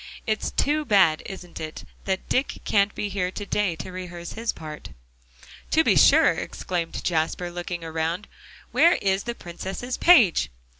It's too bad, isn't it, that Dick can't be here to day to rehearse his part?" "To be sure," exclaimed Jasper, looking around, "where is the Princess's page?"